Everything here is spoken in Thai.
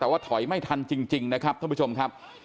แต่ว่าถอยไม่ทันจริงนะครับท่านผู้ชมครับ